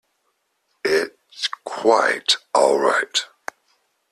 It's quite all right.